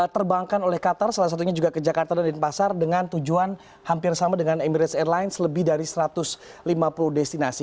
terbangkan oleh qatar salah satunya juga ke jakarta dan denpasar dengan tujuan hampir sama dengan emirates airlines lebih dari satu ratus lima puluh destinasi